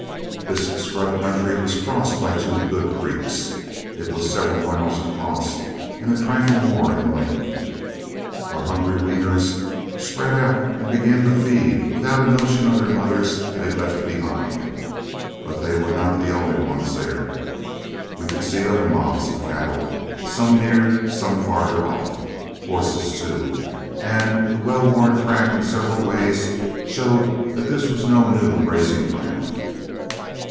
This scrub country was crossed by two good creeks; it was several miles across, and a trifle more in length. Our hungry weaners spread out and began to feed, without a notion of their mothers they'd left behind; but they were not the only ones there. We could see other mobs of cattle, some near, some farther off; horses, too; and the well worn track in several ways showed that this was no new grazing ground.